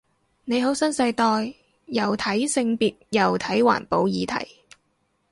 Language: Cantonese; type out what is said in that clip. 你好新世代，又睇性別又睇環保議題